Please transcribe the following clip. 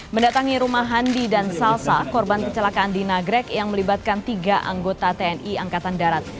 mendatangi rumah handi dan salsa korban kecelakaan di nagrek yang melibatkan tiga anggota tni angkatan darat